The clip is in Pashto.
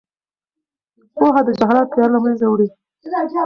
پوهه د جهالت تیاره له منځه وړي.